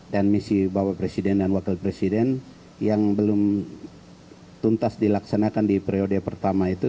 dan misi bapak presiden dan wakil presiden yang belum tuntas dilaksanakan di periode pertama itu